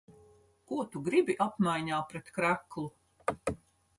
Ko tu gribi apmaiņā pret kreklu?